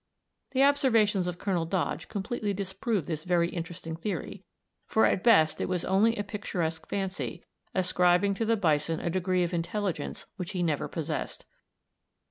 The observations of Colonel Dodge completely disprove this very interesting theory; for at best it was only a picturesque fancy, ascribing to the bison a degree of intelligence which he never possessed.